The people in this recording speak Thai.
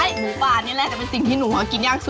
หมูป่านี่แหละจะเป็นสิ่งที่หนูหากินยากสุด